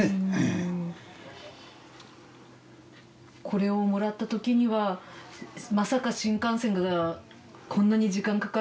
これをもらったときにはまさか新幹線がこんなに時間かかるって。